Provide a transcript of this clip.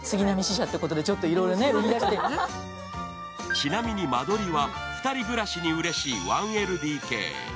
ちなみに間取りは２人暮らしにうれしい１ＬＤＫ。